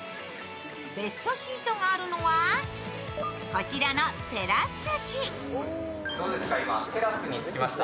ベストシートがあるのはこちらのテラス席。